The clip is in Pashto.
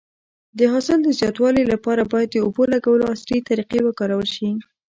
د حاصل د زیاتوالي لپاره باید د اوبو لګولو عصري طریقې وکارول شي.